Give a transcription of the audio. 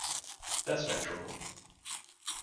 That's natural.